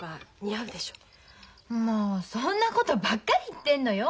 もうそんなことばっかり言ってんのよ。